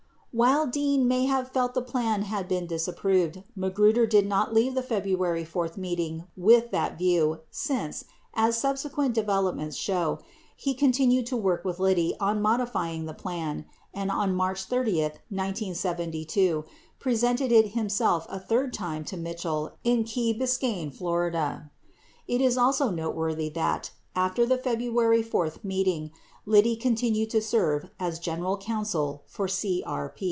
79 While Dean may have felt the plan had been disapproved, Magruder did not leave the February 4 meeting with that view since, as sub sequent developments show, he continued to work with Liddy on modifying the plan and on March 30, 1972, presented it himself a third time to Mitchell in Key Biscayne, Fla, It is also noteworthy that, after the February 4 meeting, Liddy continued to serve as general counsel for CEP.